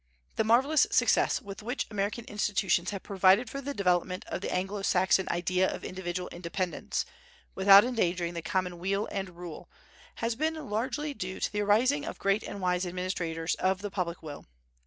The marvellous success with which American institutions have provided for the development of the Anglo Saxon idea of individual independence, without endangering the common weal and rule, has been largely due to the arising of great and wise administrators of the public will.